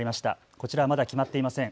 こちらはまだ決まっていません。